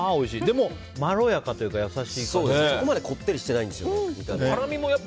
でも、まろやかというかそこまでこってりしてないんです。